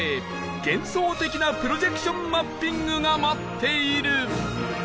幻想的なプロジェクションマッピングが待っている